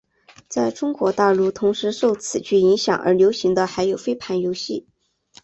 在中国大陆同时受此剧影响而流行的还有飞盘游戏。